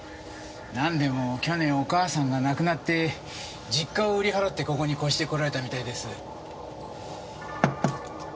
何でも去年お母さんが亡くなって実家を売り払ってここに越してこられたみたいです。